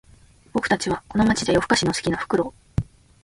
僕たちはこの街じゃ夜ふかしの好きなフクロウ